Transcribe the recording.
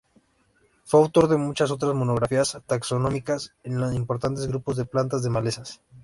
Fue autor de muchas otras monografías taxonómicas en importantes grupos de plantas de malezas.